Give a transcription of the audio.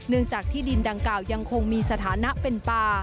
จากที่ดินดังกล่าวยังคงมีสถานะเป็นป่า